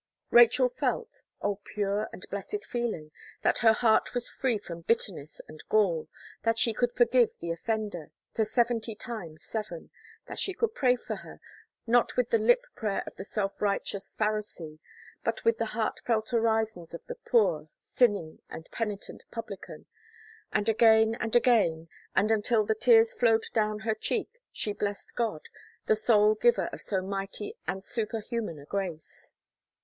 Rachel felt oh, pure and blessed feeling! that her heart was free from bitterness and gall; that she could forgive the offender, to seventy times seven; that she could pray for her not with the lip prayer of the self righteous Pharisee, but with the heartfelt orisons of the poor, sinning, and penitent publican; and again and again, and until the tears flowed down her cheek, she blessed God, the sole Giver of so mighty and superhuman a grace.